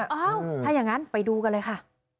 เอ้าถ้าอย่างนั้นไปดูกันเลยค่ะ